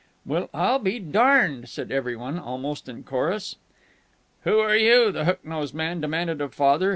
"Well I'll be darned!" said every one, almost in chorus. "Who are you?" the hook nosed man demanded of Father.